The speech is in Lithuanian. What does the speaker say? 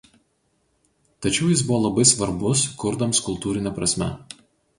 Tačiau jis buvo labai svarbus kurdams kultūrine prasme.